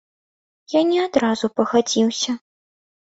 Я не адразу пагадзіўся.